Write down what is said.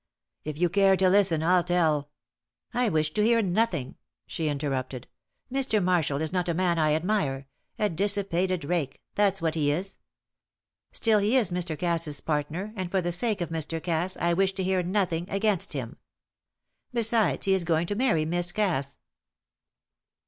If you care to listen, I'll tell " "I wish to hear nothing," she interrupted. "Mr. Marshall is not a man I admire a dissipated rake, that's what he is. Still, he is Mr. Cass's partner, and for the sake of Mr. Cass I wish to hear nothing against him. Besides, he is going to marry Miss Cass."